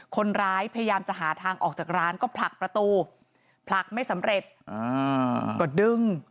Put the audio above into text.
พยายามจะหาทางออกจากร้านก็ผลักประตูผลักไม่สำเร็จก็ดึง